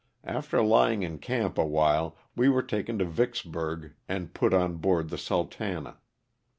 After lying in camp awhile we were taken to Vicks burg and put on board the '^Sultana.'